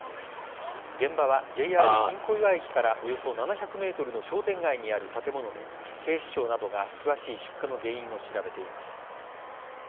現場はＪＲ新小岩駅からおよそ７００メートルの商店街にある建物で警視庁などが詳しい出火の原因を調べています。